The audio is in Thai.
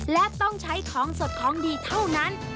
และต้องใช้ของสดของดีเท่านั้น